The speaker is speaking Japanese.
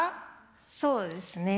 そうですね。